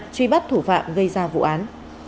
truy bắt thủ phạm gây ra vụ án